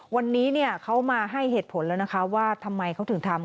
วันนี้เขามาให้เหตุผลแล้วนะคะว่าทำไมเขาถึงทำ